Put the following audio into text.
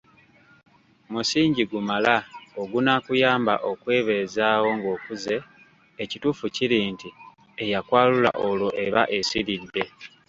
Musingi gumala ogunaakuyamba okwebeezaawo ng'okuze, ekituufu kiri nti, eyakwalula olwo eba esiridde.